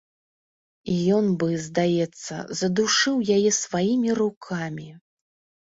Ён бы, здаецца, задушыў яе сваімі рукамі.